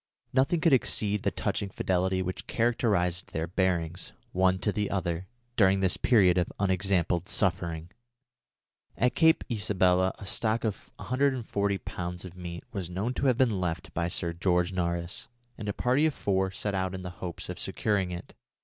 Nothing could exceed the touching fidelity which characterised their bearings, one to the other, during this period of unexampled suffering. At Cape Isabella, a stock of 140 lbs. of meat was known to have been left by Sir George Nares, and a party of four set out in the hopes of securing it.